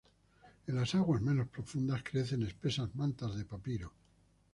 En las aguas menos profundas crecen espesas matas de papiro.